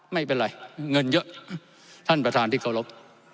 ไม่เป็นไรเงินเยอะท่านประธานที่เคารพ